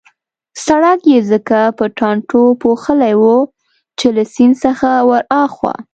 سړک يې ځکه په ټانټو پوښلی وو چې له سیند څخه ورهاخوا.